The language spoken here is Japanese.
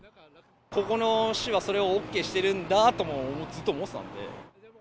ここの市はそれをＯＫしてるんだとずっと思ってたので。